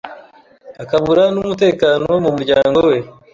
akabura n’umutekano mu muryango we.